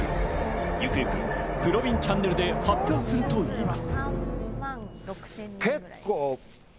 ゆくゆく、ぷろびんチャンネルで発表するといいます。